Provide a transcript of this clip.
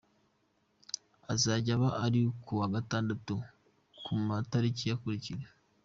azajya aba ari kuwa Gatandatu ku matariki akurikira:.